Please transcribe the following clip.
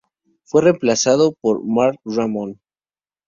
Fue reemplazado por Marky Ramone.